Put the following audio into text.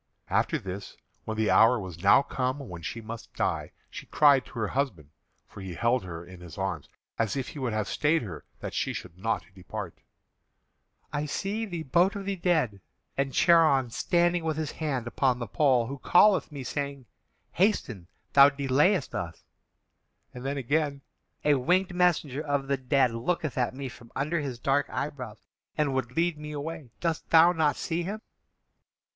After this, when the hour was now come when she must die, she cried to her husband (for he held her in his arms, as if he would have stayed her that she should not depart): "I see the boat of the dead, and Charon standing with his hand upon the pole, who calleth me, saying, 'Hasten; thou delayest us'; and then again, 'A winged messenger of the dead looketh at me from under his dark eyebrows, and would lead me away. Dost thou not see him?'"